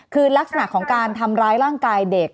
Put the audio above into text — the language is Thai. คือลักษณะของการทำร้ายร่างกายเด็ก